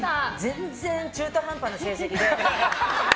全然、中途半端な成績で。